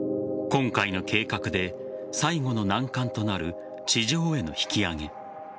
今回の計画で最後の難関となる地上への引き揚げ。